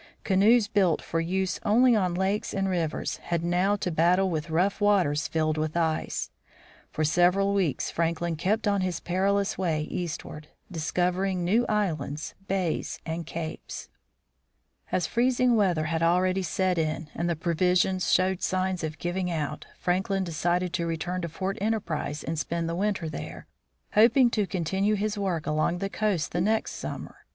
Canoes built for use only on lakes and rivers had now to battle with rough waters filled with ice. For several weeks Franklin kept on his perilous way east ward, discovering new islands, bays, and capes. FRANKLIN'S FIRST LAND JOURNEY 19 As freezing weather had already set in, and the provisions showed signs of giving out, Franklin decided to return to Fort Enterprise and spend the winter there, hoping to continue his work along the coast the next summer.